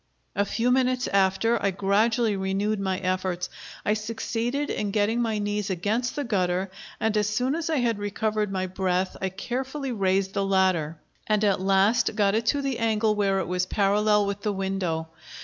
A few minutes after, I gradually renewed my efforts. I succeeded in getting my knees against the gutter, and as soon as I had recovered my breath I carefully raised the ladder, and at last got it to the angle where it was parallel with the window.